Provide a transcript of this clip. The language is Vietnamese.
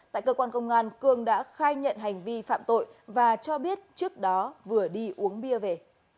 tại cơ quan công an cương đã khai nhận hành vi phạm tội và cho biết trước đó vừa đi uống bia về